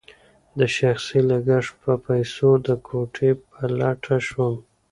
د شخصي لګښت په پیسو د کوټې په لټه شوم.